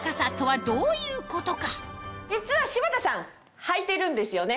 実は柴田さんはいてるんですよね？